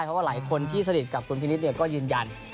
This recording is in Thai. เพราะว่าหลายคนที่สนิทกับคุณพินิษฐ์ก็ยืนยัน